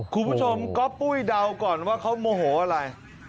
คุณผู้ชมก๊อปปุ้ยเดาก่อนว่าเขาโมโหอะไร